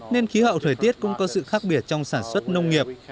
nên khí hậu thời tiết cũng có sự khác biệt trong sản xuất nông nghiệp